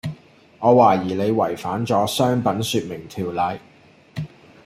我懷疑你違反咗商品説明條例